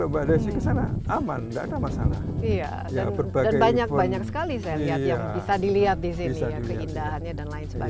yang bisa dilihat di sini keindahannya dan lain sebagainya